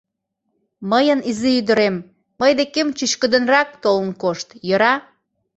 — Мыйын изи ӱдырем, мый декем чӱчкыдынрак толын кошт, йӧра?